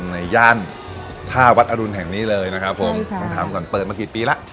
ย่านท่าวัดอรุณแห่งนี้เลยนะครับผมต้องถามก่อนเปิดมากี่ปีแล้ว